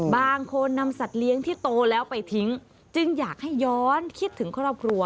บางคนนำสัตว์เลี้ยงที่โตแล้วไปทิ้งจึงอยากให้ย้อนคิดถึงครอบครัว